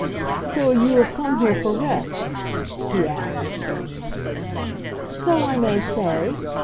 "So you have come here for rest?" he asked. "So I may say.